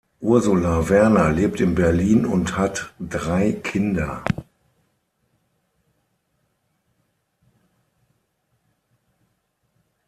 Ursula Werner lebt in Berlin und hat drei Kinder.